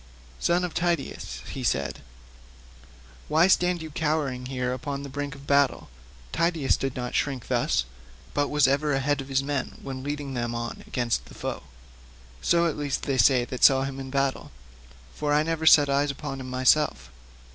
"Son of Tydeus," he said, "why stand you cowering here upon the brink of battle? Tydeus did not shrink thus, but was ever ahead of his men when leading them on against the foe—so, at least, say they that saw him in battle, for I never set eyes upon him myself.